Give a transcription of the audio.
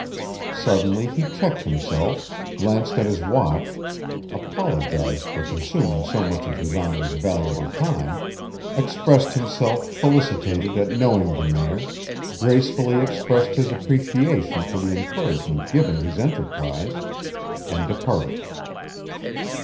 Suddenly he checked himself, glanced at his watch, apologized for consuming so much of His Honour's valuable time, expressed himself felicitated at knowing the Mayor, gracefully expressed his appreciation for the encouragement given his enterprise, and departed.